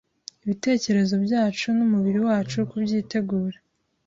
ibitekerezo byacu n’ umubiri wacu kubyitegura.